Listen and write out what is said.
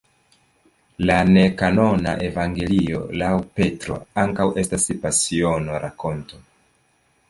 La ne-kanona Evangelio laŭ Petro ankaŭ estas Pasiono-rakonto.